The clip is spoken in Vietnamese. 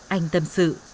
anh tâm sự